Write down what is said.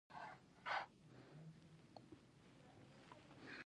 باد د بادبانو ځواک دی